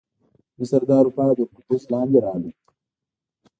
مصر د اروپا تر نفوذ لاندې راغی.